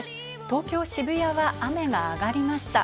東京・渋谷は雨があがりました。